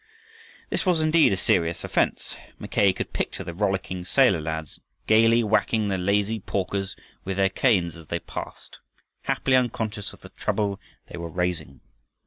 This was indeed a serious offense. Mackay could picture the rollicking sailor lads gaily whacking the lazy porkers with their canes as they passed, happily unconscious of the trouble they were raising.